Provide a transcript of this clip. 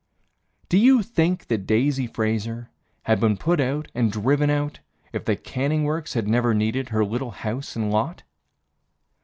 Do you think that Daisy Fraser Had been put out and driven out If the canning works had never needed Her little house and lot?